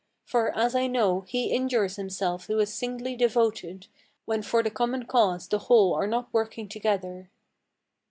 For, as I know, he injures himself who is singly devoted, When for the common cause the whole are not working together."